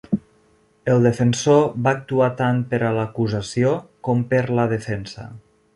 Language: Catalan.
El defensor va actuar tant per a l'acusació com per la defensa.